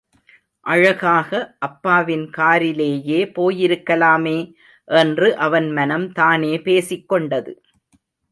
அழகாக அப்பாவின் காரிலேயே போயிருக்கலாமே, என்று அவன் மனம் தானே பேசிக் கொண்டது.